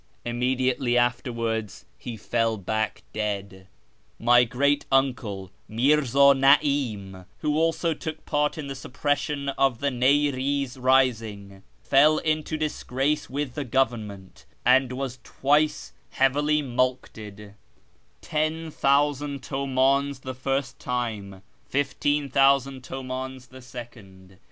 Immediately afterwards he fell back dead. " My great uncle, Mirza Na'im, who also took part in the suppression of the ISTiriz rising, fell into disgrace with the Government, and was twice heavily mulcted — 10,000 tiimdns the first time, 15,000 tiimdns the second.